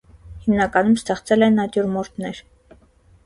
Հիմնականում ստեղծել է նատյուրմորտներ։